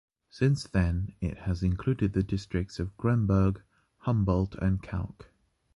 Since then it has included the districts of Gremberg, Humboldt and Kalk.